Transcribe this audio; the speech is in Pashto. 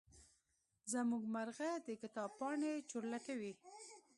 زمونږ مرغه د کتاب پاڼې چورلټوي.